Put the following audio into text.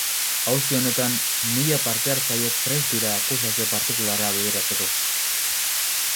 Auzi honetan mila partehartzaile prest dira akusazio partikularra bideratzeko.